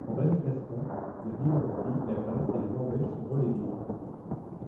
En bas du classement, la Biélorussie, la Grèce et la Norvège sont reléguées.